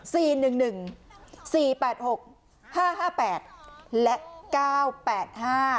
หนึ่งหนึ่งสี่แปดหกห้าห้าแปดและเก้าแปดห้า